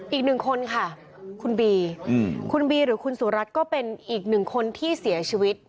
อีกหนึ่งคนค่ะคุณบีคุณบีหรือคุณสุรัตน์ก็เป็นอีกหนึ่งคนที่เสียชีวิต